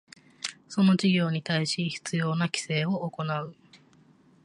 その事業に対し必要な規制を行う